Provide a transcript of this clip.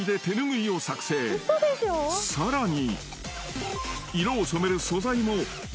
［さらに］